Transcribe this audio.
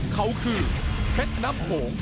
สวัสดีครับ